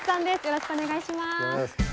よろしくお願いします。